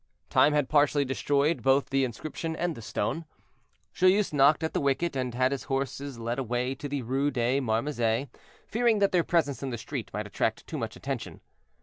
Time had partially destroyed both the inscription and the stone. Joyeuse knocked at the wicket, and had his horses led away to the Rue des Marmouzets, fearing that their presence in the street might attract too much attention.